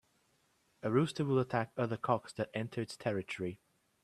A rooster will attack other cocks that enter its territory.